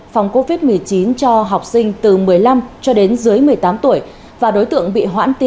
phòng covid một mươi chín cho học sinh từ một mươi năm cho đến dưới một mươi tám tuổi